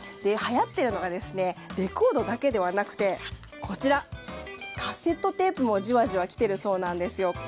はやっているのがレコードだけではなくてカセットテープもじわじわきているそうなんですよ。